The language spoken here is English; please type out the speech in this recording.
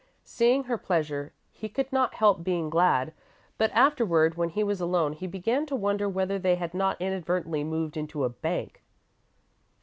Seeing her pleasure he could not help being glad, but afterward, when he was alone, he began to wonder whether they had not inadvertently moved into a bank.